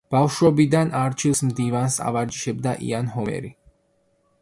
ბავშვობიდან არჩილს მდივანს ავარჯიშებდა იან ჰომერი.